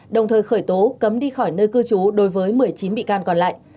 đồng thời khởi tố cấm đi khỏi nơi cư trú đối với một mươi chín bị can còn lại